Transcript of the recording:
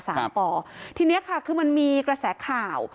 ป่อทีเนี้ยค่ะคือมันมีกระแสข่าว